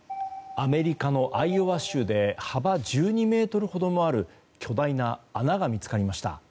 アメリカのアイオワ州で幅１２ｍほどもある巨大な穴が見つかりました。